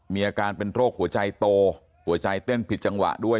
มีอาการเป็นโรคหัวใจโตหัวใจเต้นผิดจังหวะด้วย